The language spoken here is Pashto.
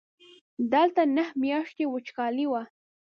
دلته نهه میاشتې وچکالي وه.